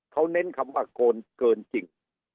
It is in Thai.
เขาเน้นคำว่าโกนเกินจริง